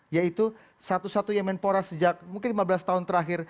yaitu satu satunya menpora sejak mungkin lima belas tahun terakhir